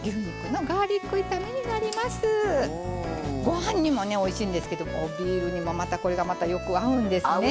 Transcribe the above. ご飯にもねおいしいんですけどビールにもまたこれがよく合うんですね。